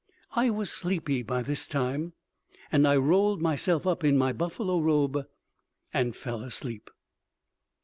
I was sleepy by this time and I rolled myself up in my buffalo robe and fell asleep.